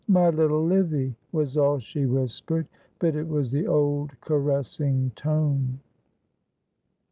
"My little Livy" was all she whispered, but it was the old caressing tone.